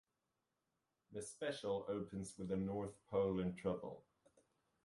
The special opens with the North Pole in trouble.